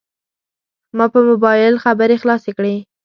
ما په موبایل خبرې خلاصې کړې.